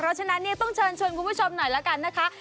เพราะฉะนั้นเนี่ยต้องเชิญชวนคุณผู้ชมหน่อยละกันนะคะ